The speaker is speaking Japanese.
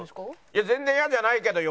いや全然嫌じゃないけど。